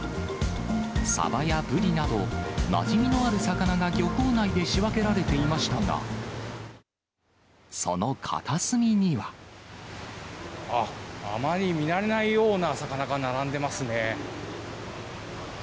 サバやブリなど、なじみのある魚が漁港内で仕分けられていましたが、その片隅には。あっ、あまり見慣れないような魚が並んでますね。